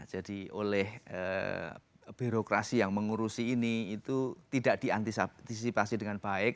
jadi oleh birokrasi yang mengurusi ini itu tidak diantisipasi dengan baik